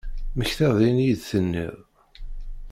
Mmektaɣ-d ayen i iyi-d-tenniḍ.